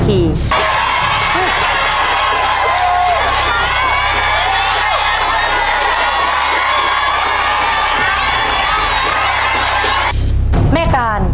ครอบครับ